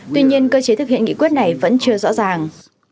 tuy nhiên cơ chế thực hiện nghị quyết này vẫn chưa rõ ràng